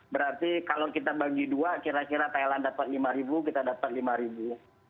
berarti kalau kita bagi dua kira kira thailand dapat lima ribu kita dapat lima ribu